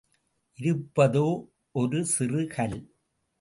இருப்பதோ ஒரு சிறு கல்.